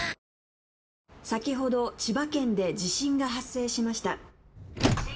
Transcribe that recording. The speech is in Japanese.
「先ほど千葉県で地震が発生しました」